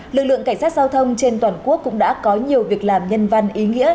lực lượng cảnh sát giao thông trên toàn quốc cũng đã có nhiều việc làm nhân văn ý nghĩa